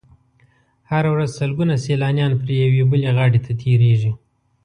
هره ورځ سلګونه سیلانیان پرې یوې بلې غاړې ته تېرېږي.